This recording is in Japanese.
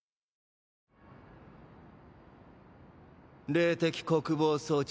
霊的国防装置